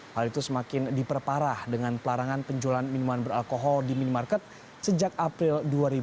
hal itu semakin diperparah dengan pelarangan penjualan minuman beralkohol di minimarket sejak april dua ribu dua puluh